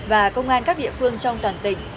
và công an các địa phương trong toàn tỉnh